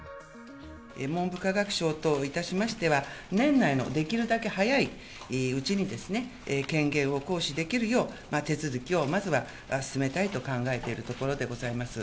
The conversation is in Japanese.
文部科学省といたしましては、年内のできるだけ早いうちにですね、権限を行使できるよう、手続きをまずは進めたいと考えているところでございます。